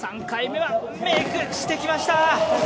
３回目は、メイクしてきました。